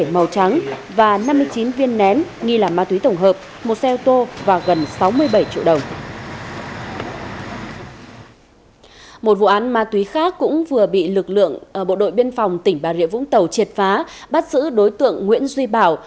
một vụ án ma túy khác cũng vừa bị lực lượng bộ đội biên phòng tỉnh bà rịa vũng tàu triệt phá bắt giữ đối tượng nguyễn duy bảo